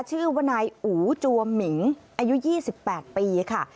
ชื่อว่านายอู๋จัวหมิงอายุ๒๘ปีค่ะ